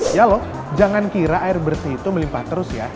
ya loh jangan kira air bersih itu melimpah terus ya